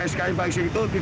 sk impasing itu dipilih